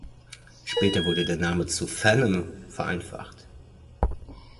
Später wurde der Name zu Phanom vereinfacht.